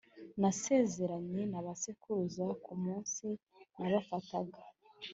nasezeranye na ba sekuruza ku munsi nabafataga